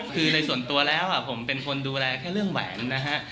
คือในส่วนตัวแล้วผมเป็นคนดูแลแค่เรื่องแหวนนะฮะ